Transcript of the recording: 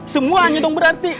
semuanya dong berarti